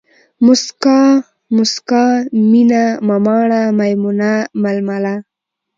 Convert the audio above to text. موسکا ، مُسکا، مينه ، مماڼه ، ميمونه ، ململه